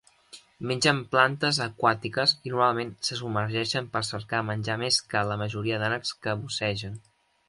Mengen plantes aquàtiques i normalment se submergeixen per cercar menjar més que la majoria d'ànecs que bussegen.